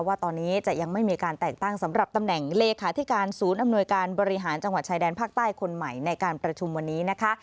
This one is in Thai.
ว่าตอนนี้จะยังไม่มีการแต่งตั้งสำหรับตำแหน่งเลขาธิการศูนย์อำนวยการบริหารจังหวัดชายแดนภาคใต้คนใหม่ในการประชุมวันนี้นะคะ